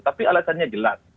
tapi alasannya jelas